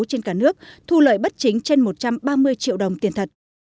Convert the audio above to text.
trên cả nước thu lợi bất chính trên một trăm ba mươi triệu đồng tiền thật